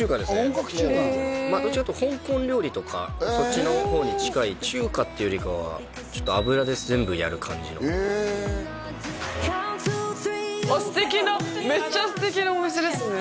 本格中華なんだどっちかっていうと香港料理とかそっちの方に近い中華っていうよりかはちょっと油で全部やる感じのめっちゃ素敵なお店ですね